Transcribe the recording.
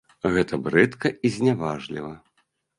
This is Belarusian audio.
Гэта брыдка і зняважліва.